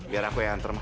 biar aku yang antar mak